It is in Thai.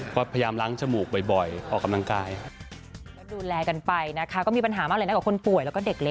ก็พยายามล้างจมูกบ่อยออกกำลังกายครับ